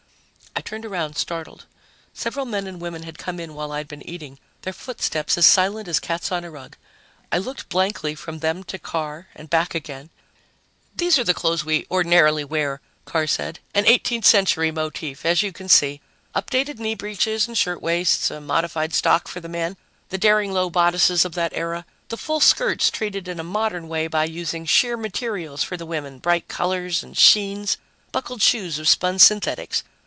I turned around, startled. Several men and women had come in while I'd been eating, their footsteps as silent as cats on a rug. I looked blankly from them to Carr and back again. "These are the clothes we ordinarily wear," Carr said. "An 18th Century motif, as you can see updated knee breeches and shirt waists, a modified stock for the men, the daring low bodices of that era, the full skirts treated in a modern way by using sheer materials for the women, bright colors and sheens, buckled shoes of spun synthetics.